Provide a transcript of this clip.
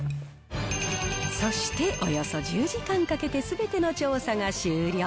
そしておよそ１０時間かけてすべての調査が終了。